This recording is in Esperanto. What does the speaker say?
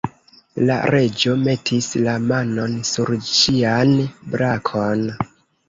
La Reĝo metis la manon sur ŝian brakon.